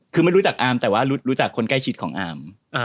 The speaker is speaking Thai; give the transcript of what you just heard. คือไม่รู้จักอามแต่ว่ารู้จักคนใกล้ชิดของอาม